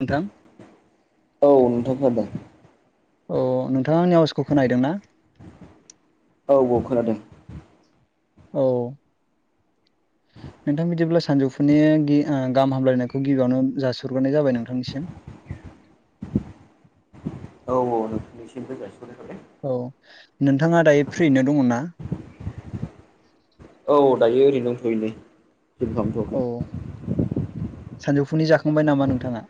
नोंथां औ नोंथां खोनादों ओ नोंथांआनि आउसखौ खोनाहैदों ना औ औ खोनादों औ नोंथां बिदिब्ला सानजौफुनि गि ओ गाहाम हामलायनायखौ गिबिआवनो जासि हरग्रोनाय जाबाय नोंथांनिसिम औ औ नोंनिसिमबो जासि हरनाय थाबाय औ नोंथांआ दायो फ्रियैनो दङो ना औ दायो ओरैनो दथ'योमोन औ सानजौफुनि जाखांबाय नामा नोंथांआ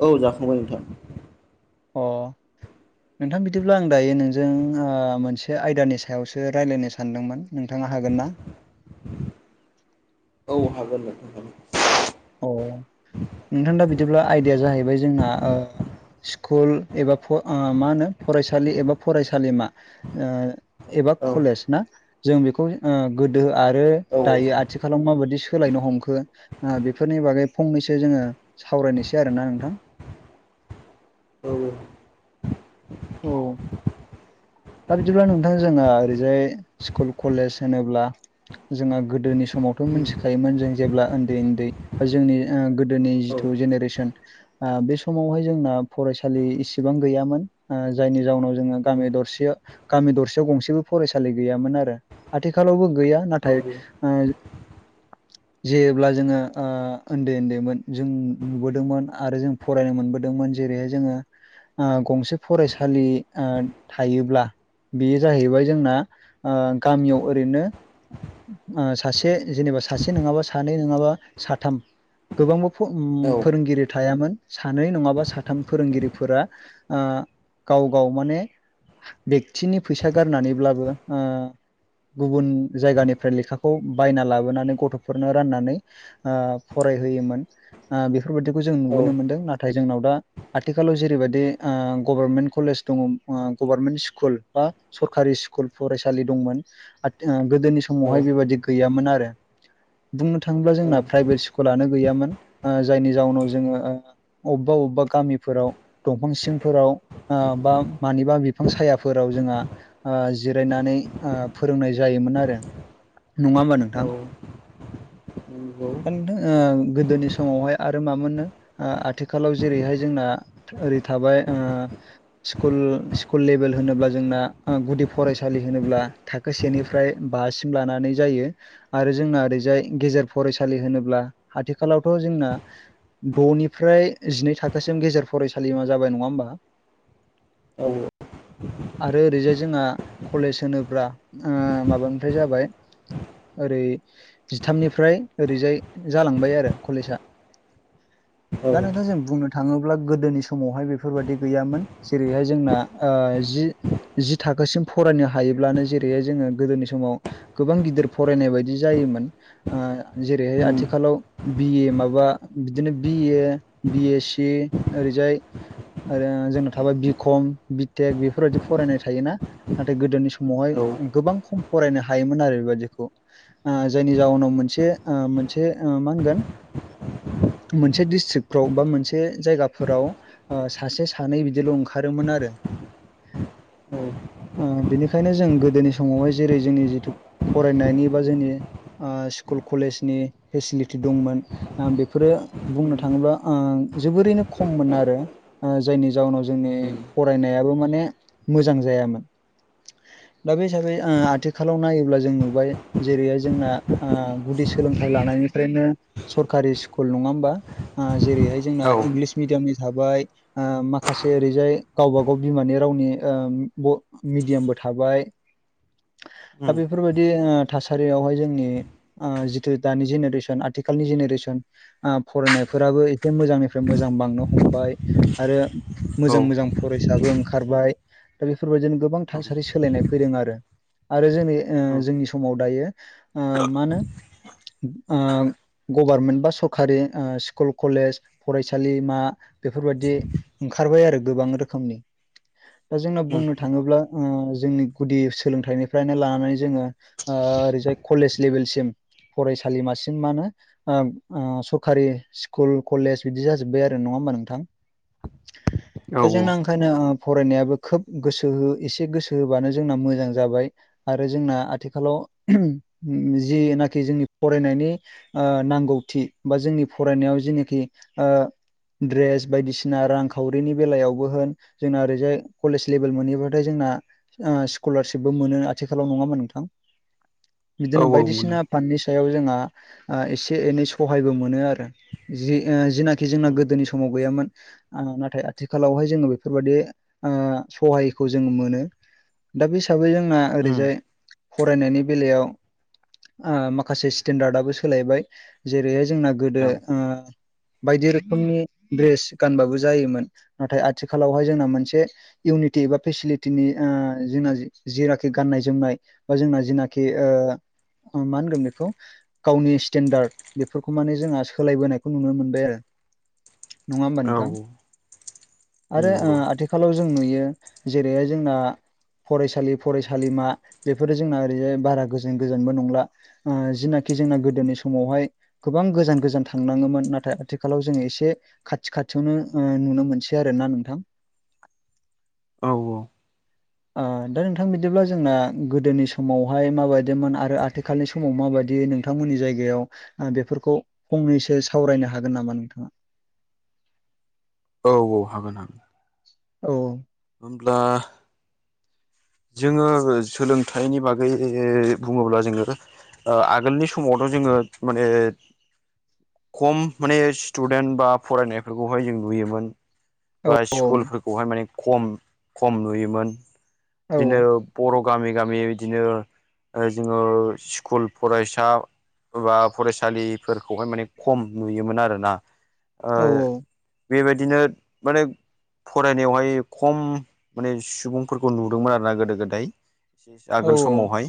औ जाखांबाय नोंथां अ नोंथां बिदिब्ला आं दायो नोंजों ओ मोनसे आयदानि सायावसो रायज्लायनो सानदोंमोन नोंथांआ हागोन ना औ हागोन नोंथां हागोन अ नोंथां दा बिदिब्ला आइदाया जाहैबाय जोंना स्कुल एबा ओ मा होनो फरायसालि एबा फरायसालिमा एबा हागोन कलेस ना जों बेखौ ओ गोदो आरो औ दायो आथिखालाव माबादि सोलायनो हमखो ओ बेखौ बेफोरनि बागै फंनैसो जोङो सावरायनोसै आरोना नोंथां औ औ दा बिदिब्ला नोंथां जोङो ओरैजाय स्कुल कलेज होनोब्ला जोंहा गोदोनि समावथ' मोनथिखायोमोन जों जेब्ला उन्दै उन्दै जोंनि ओ गोदोनि जिथु जेनेरेसन ओ बे समावहाय जोंना फरायसालि इसिबां गैयामोन ओ जायनि जाउनाव जोङो गामि दरसेआव गामि दरसेयाव गंसेबो फरायसालि गैयामोन आरो आथिखालावबो गैया औ नाथाय ओ [unintelligible] जेब्ला जोङो उन्दै उन्दैमोन जों नुबोदोंमोन आरो जों फरायनो मोनबोदोंमोन जेरैहाय जोङो गंसे फरायसालि थायोब्ला बेयो जाहैबाय जोंना गामियाव ओरैनो सासे जेनेबा सासे नङाबा सानै नङाबा साथाम गोबांबो फोरोंगिरि थायामोन सानै नङाबा साथाम फोरोंगिरिफोरा ओ गाव गाव माने बेक्तिनि फैसा गारनानैब्लाबो ओ गुबुन जायगानिफ्राय लेखाखौ बायना लाबोनानै गथ'फोरनो राननानै फरायहोयोमोन बेफोरबायादिखौ जों नुबोनो मोनदों नाथाय नाथाय जोंनाव दा आथिखालाव जेरैबायदि गभार्नमेन्ट कलेज दङ गभारनमेन्ट स्कुल स्कुल बा सरकारि स्कुल फरायसालि दंमोन गोदोनि औ समावहाय बेबायदि गैयामोन आरो बुंनो थाङोब्ला औ औ जोंना प्राइभेट स्कुल स्कुलानो गैयामोन जायनि जाउनाव जोङो अबेबा अबेबा गामिफोराव दंफां सिंफोराव बा मानिबा बिफां साया फोराव जोंहा जिरायनानै फोरोंनाय जायोमोन आरो नङा होमबा नोंथां नंगौ गोदोनि समावहाय आरो माोननो आथिखालाव जेरैहाय जोंना ओरै थाबाय सकुल लेभेल होनोब्ला जोंना गुदि फरायसालि होनोब्ला थाखो सेनिफ्राय बासिम लानानै जायो आरो जोंना ओरैजाय औ गेजेर फरायसालि होनोब्ला आथिखालावथ' जोंना द'निफ्राय जिनै थाखोसिम गेजेर फरायसालिमा जाबाय नङा होमबा औ आरो ओरैजाय जोंहा कलेज होनोब्ला माबानिफ्राय जाबाय ओरै जिथामनिफ्राय ओरैजाय जालांबाय आरो कलेजा औ दा नोंथां जों बुंनो थाङोब्ला गोदोनि समावहाय बेफोरबायादि गैयामोन जेरैहाय जोंना ओ जि जि थाखोसिम फरायनो हायोब्लानो जेरैहाय जोङो गोदोनि समाव गोबां गिदिर फरायनाय बायदि जायोमोन जेरैहाय उम आथिखालाव बिए माबा बिदिनो बिए बि एस सि ओरैजाय आरो जोंनाव थाबाय बिखम बिटेक बेफोरबायदि फरायनाय थायोना नाथाय गोदोनि समावहाय औ गोबां खम फरायनो हायोमोन आरो बेबायदिखौ जायनि जाउनाव मोनसे ओ मोनसे ओ मा होनगोन मोनसे डिस्ट्रिकफ्राव बा मोनसे जायगाफोराव सासे सानै बिदिल' ओंखारोमोन आरो औ बिनिखायनो जों गोदोनि समावहाय जेरै जोंनि जिथु फरायनायनि बा जोंनि स्कुल कलेजनि फेसिलिटि दंमोन बेफोरो औ बुंनो उम थाङोब्ला जोबोरैनो खम मोन आरो जायनि जाउनाव जोंनि दाबो माने मोजां जायामोन दा बे हिसाबै आथिखालाव नायोब्ला जों नुबाय जेरैहाय जोंना गुदि सोलोंथाइ लानायनिफ्रायनो सरकारि स्कुल नङा होमबा जेरैहाय जोंना औ उम इंलिस मिडियामनि थाबाय माखासे ओरैजाय गावबा गाव बिमानि रावनि मिडियामबो थाबाय दा उम बेफोरबायदि ओ थासारियावहाय जोंनि जिथु दानि जेनेरेसन आथिखालनि जेनेरेसन फरायनायफोराबो एसे मोजांनिफ्राय मोजां बांनो हमबाय आरो मोजां मोजां फरायसाबो ओंखारबाय दा बेफोरबायदिनो गोबां थासारि सोलायनाय फैदों आरो आरो जोंनि ओ जोंनि समाव दायो ओ मा ओनो ओ गभारमेन्ट बा सरखारि स्कुल कलेज फरायसालिमा बेफोरबायदि ओंखारबाय आरो गोबां रोखोमनि। दा जोंना बुंनो थाङोब्ला ओ जोंनि गुदि सोलोंथाइनिफ्रायनो लानानै जोङो ओ ओरैजाय कलेज लेभेलसिम फरायसालिमासिम मा होनो ओब ओ सरकारि स्कुल कलेज बिदि जाजोब्बाय आरो नङा होमबा नोंथां? औ जोंना ओंखायनो फरायनायाबो खोब गोसो हो एसे गोसो होबानो जोंना मोजां जाबाय। आरो जोंना आथिखालाव जिनाखि जोंनि फरायनायनि ओ नांगौथि बा जोंनि फरायनायाव जेनेखि ओ ड्रेस बायदिसिना रांखावरिनि बेलायावबो होन जोंना ओरैजाय कलेज लेभेल मोनहैयोबाथाय जोंना ओ स्कलारशिपबो मोनो आथिखालाव नङा ओमबा नोंथां? [inaudible] बिदोनो औ मोनो बायदिसिना फाननि सायाव जोंहा ओ एसे एनै सहायबो मोनो आरो जि ओ जिना जोंना उम गोदोनि समाव गैयामोन। नाथाय आथिखालावहाय जोंङो बेफोरबायदि ओ सहायखौ जों मोनो दा बे हिसाबै जोंना उम ओरैजाय फरायनायनि बेलायाव ओ माखासे स्टेन्डार्डआबो सोलायबाय जेरैहाय जोंना गोदो औ ओ बायदि रोखोमनि ड्रेस गानबाबो जायोमोन नाथाय आथि आथिखालावहाय जोंना मोनसे। इउनिटि एबा फेसिलिटिनि ओ जोंना जेनाखि गाननाय जोमनाय बा जोंना जिनाखि ओ मा होनगोन बेखौ गावनि स्टेन्डार्ड बेफोरखौ माने जोंहा सोलायबोनायखौ नुनो मोनबाय आरो। नङा होमबा औ नोंथां? आरो ओ नंगौ आथिखालाव जों नुयो जेरैहाय जोंना फरायसालि फरायसालिमा बेफोरो जोंना ओरैजाय बारा गोजोन गोजोनबो नंला। ओ जिनाखि जोंना गोदोनि समावहाय गोबां गोजान गोजान थांनाङोमोन नाथाय आथिखालाव जोङो एसे खाथि खाथियावनो ओ नुनो मोनसै आरो ना नोंथां? औ औ। ओ दा नोंथां बिदिब्ला जोंना गोदोनि समावहाय माबायदिमोन आरो आथिखालनि स समाव माबायदि नोंथांमोननि जायगायाव ओ बेफोरखौ फंनैसो सावरायनो हागोन नामा नोंथाङा? औ औ हागोन हागोन। औ ओ जोङो सोलोंथाइनि बागै बुङोब्ला जोङो ओ आगोलनि समावथ' जोङो माने खम माने स्टुदेन्ट बा फरायनायफोरखौहाय जों नुयोमोन। औ बा स्कुलफोरखौहाय माने खम खम नुयोमोन औ बिदिनो बर' गामि गामि बिदिनो ओ जोङो स्कुल फरायसा बा फरायसालिफोरखौहाय माने खम नुयोमोन आरोना? ओ औ बेबायदिनो माने फरायनायावहाय खम माने सुबुं फोरखौ नुदोंमोन आरोना गोदो गोदाय औ आगोल समावहाय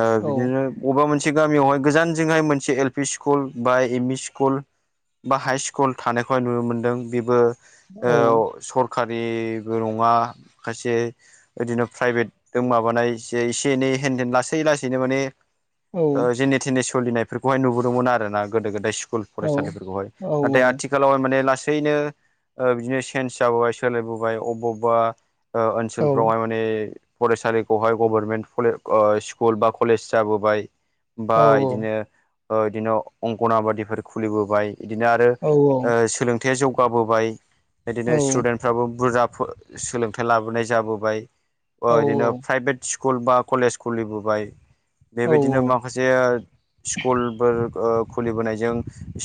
ओ बिदिनो औ बबेबा मोनसे गामियावहाय गोजानजोंहाय मोनसे एल पि स्कुल, बा एम इ स्कुल बा हाइ स्कुल थानायखौहाय नुनो मोनदों बेबो ओ सरखारि नङा खायसे इदिनो प्राइभेटजों माबानाय जे इसे एनै हेनदेन लासै लासैनो माने औ जेने थेने सोलिनायफोरखौहाय नुबोदोंमोन आर ना गोदो गोदाय स्कुल औ फरायसालिफोरखौहाय नाथाय आथिखाल आथिखालाव माने लासैनो बिदिनो चन्स जाबोबाय सोलायबोबाय अबब अबबा औ ओनसोलफ्रावहाय माने फरायसालिखौहाय गभारनमेन्टेज स्कुल बा कलेज जाबोबाय बा औ बिदिनो बिदिनो अंगनाबादिफोर खुलिबोबाय बिदिनो आरो औ सोलोंथाइया जौगाबोबाय औ बिदिनो स्टुडेन्टफ्राबो बुरजा सोलोंथाइ लाबोनाय जाबोबाय औ बिदिनो प्राइभेट स्कुल बा कलेज खुलिबोबाय औ बेबायदिनो माखासे स्कुलफोर खुलिबोनायजों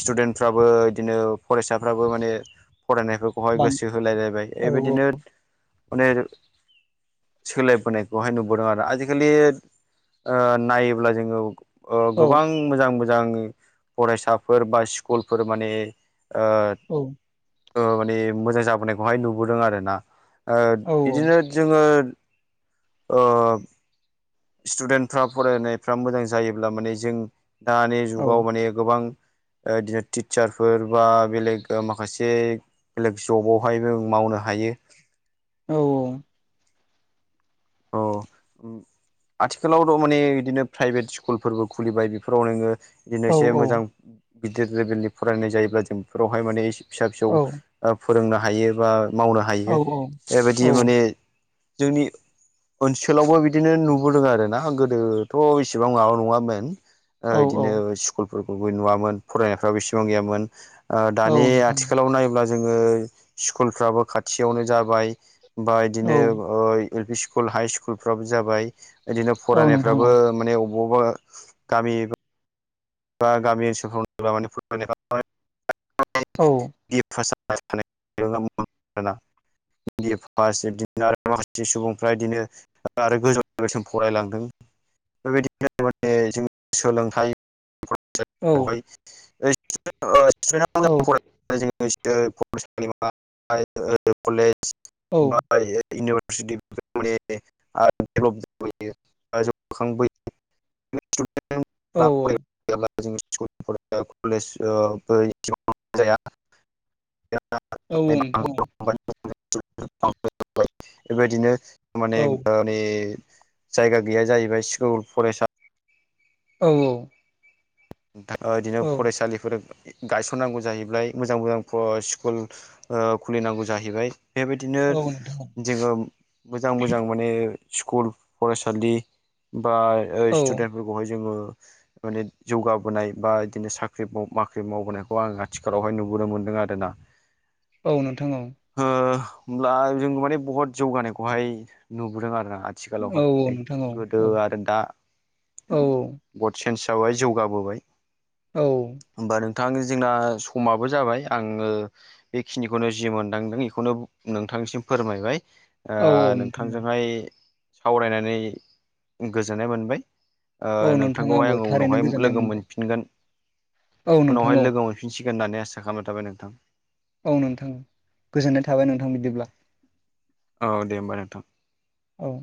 स्टुदेन्टफ्राबो बिदिनो फरायसाफ्राबो माने फरायनायखौ बेहाय बां गोसो होलायलायबाय औ बेबायदिनो अने सोलायबोनायखौहाय नुबोदों आरो आजिखालि नायोब्ला जोङो औ गोबां मोजां मोजां फरायसाफोर बा स्कुलफोर माने औ माने मोजां जाबोनायखौहाय नुबोदों आरो ना ओ औ इदिनो जोङो ओ स्टुडेन्टफ्रा फरायनायफ्रा मोजां जायोब्ला माने जों दानि औ जुगाव माने गोबां बिदिनो टिचारफोर बा बेलेग माखासे बेलेग जबावहायबो मावनो हायो औ औ औ आथिखालावथ' माने बिदिनो प्राइभेट स्कुलफोरबो खुलिबाय बेफोराव नोङो बिदिनो औ एसे मोजां गिदिर लेभेलनि फरायनाय जायोब्ला जों बेफोरावहाय माने फिसा फिसौ फोरोंनो हायो बा मावनो औ हायो बेबायदि माने जोंनि ओनसोलावबो बिदिनो नुबोदों आर ना गोदोथ' इसेबां माबा नङामोन इदिनो स्कुलफोरखौबो नुवामोन फरायनायफ्राबो बेसेबां गैयामोन औ दानि आथिखालाव नायोब्ला जोङो स्कुलफ्राबो खाथियावनो जाबाय बा इदिनो ओ एलपि स्कुल हाइ स्कुल फोराबो जाबाय बिदिनो औ नोंथां फरायनायफ्राबो माने अबावबा गामि बा गामि ओनसोलफ्राव माने औ [unintelligible] बिए फास इदिनो आरो माखासे सुबुंफ्रा इदिनो आरो गोजौ लोगोसिम फरायलांदों बेबायदिनो माने जों सोलोंथाइ औ [unintelligible] नोंथां जोंनि फरायसालिमा ओ औ कलेज बा [unintelligible] औ औ जेला जों स्कुल फरायो कलेज ओ एसेबां जाया [unintelligible] औ नोंथां बेबायदिनो माने औ ओ माने जायगा गैया जाहैबाय स्कुल फरायसा औ औ ओ इदिनो फरायसालिफोर गायसननांगौ जाहैबाय मोजां मोजां स्कुल ओ खुलिनांगौ जाहैबाय बेबायदिनो औ नोंथां जोङो मोजां मोजां माने स्कुल फरायसालि बा औ स्टुडेन्ट बेफोरखौहाय जोङो माने जौगाबोनाय बा बिदिनो साख्रि बाख्रि मावबोनायखौ आङो आथिखालावहाय नुबोनो मोनदों आरोना औ नोंथां औ हो होमब्ला जों माने बहुत जौगानायखौहाय नुबोदों आरोना औ औ आथिखालावहाय नोंथां औ गोदो औ आरो दा औ बहुद सेन्स जाबाय जौगाबोबाय औ होमबा नोंथां जोंना समाबो जाबाय आङो बेखिनिखौनो जिमन दांदों बेखौनो नोंथांनिसिम फोरमायबाय ओ औ नोंथां औ नोंथांजोंहाय सावरायनानै गोजोननाय मोनबाय ओ औ नोंथां नोंथांखौहाय आंबो आङो थारैनो उनावहाय गोजोननाय लोगो मोनबाय मोनफिनगोन औ नोंथां उनावहाय औ लोगो मोनफिनसिगोन होननानै आसा खालामना थाबाय नोंथां औ नोंथां गोजोननाय थाबाय नोंथां बिदिब्ला औ दे होमबा नोंथां औ